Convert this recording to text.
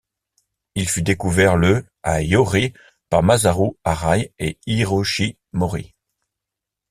Il fut découvert le à Yorii par Masaru Arai et Hiroshi Mori.